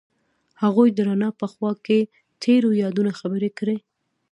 هغوی د رڼا په خوا کې تیرو یادونو خبرې کړې.